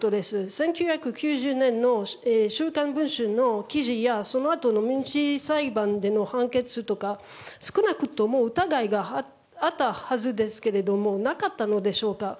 １９９０年の「週刊文春」の記事やそのあとの民事裁判での判決とか少なくとも疑いがあったはずですけれどもなかったのでしょうか？